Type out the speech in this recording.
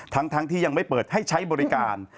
ทั้งที่ยังไม่เปิดให้ใช้บริการ